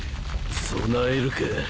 備えるか？